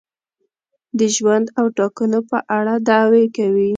د ژوند او ټاکنو په اړه دعوې کوي.